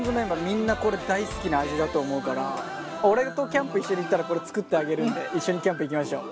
みんなこれ大好きな味だと思うから俺とキャンプ一緒に行ったらこれ作ってあげるんで一緒にキャンプ行きましょう。